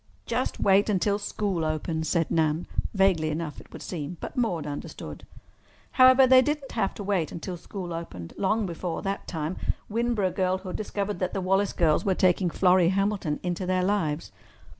"Just wait until school opens," said Nan—vaguely enough, it would seem. But Maude understood. However, they did not have to wait until school opened. Long before that time Winboro girlhood discovered that the Wallace girls were taking Florrie Hamilton into their lives.